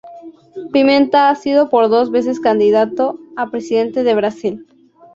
Pimenta ha sido por dos veces candidato a presidente de Brasil.